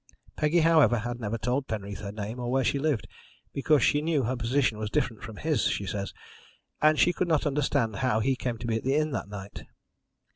Peggy, however, had never told Penreath her name or where she lived because she knew her position was different from his, she says and she could not understand how he came to be at the inn that night.